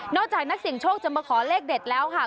นอกจากนักเสียงโชคจะประขอเลขเด็ดแล้ว